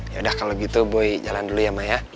yaudah kalau gitu boy jalan dulu ya ma ya